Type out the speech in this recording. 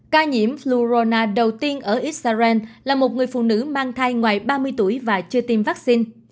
ca nhiễm flurona đầu tiên ở israel là một người phụ nữ mang thai ngoài ba mươi tuổi và chưa tiêm vaccine